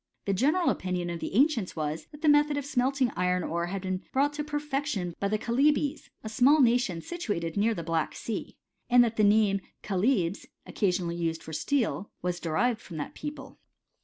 The general opinion of the ancients was, that the me thod of smelting iron ore had been brought to perfec tion by the Chalybes, a small nation situated near the Black Sea,* and that the name chalybs, occasionally used for steel, was derived from that people.